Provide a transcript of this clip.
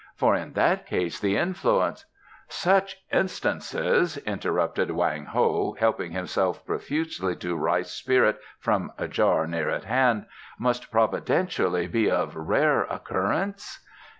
For in that case the influence " "Such instances," interrupted Wang Ho, helping himself profusely to rice spirit from a jar near at hand, "must providentially be of rare occurrence?"